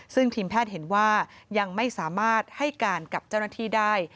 ซึ่งทีมแพทย์เห็นว่ายังไม่สามารถให้การกับเจ้าหน้าที่ได้